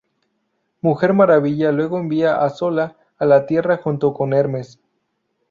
Mujer Maravilla luego envía a Zola a la Tierra junto con Hermes.